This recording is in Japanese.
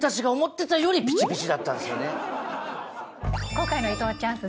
今回の伊藤チャンス